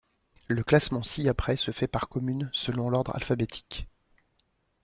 Le classement ci-après se fait par commune selon l'ordre alphabétique.